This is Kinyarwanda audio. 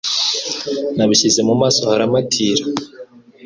Nabishyize mu maso haramatira,